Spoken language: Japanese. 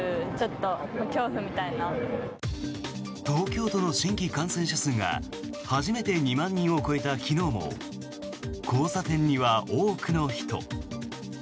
東京都の新規感染者数が初めて２万人を超えた昨日も交差点には多くの人。